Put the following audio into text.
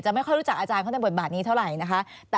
ไม่ค่อยรู้จักอาจารย์เขาในบทบาทนี้เท่าไหร่นะคะ